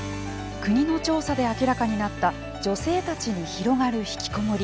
国の調査で明らかになった女性たちに広がる「ひきこもり」。